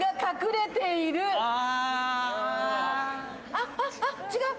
あっあっあっ違う？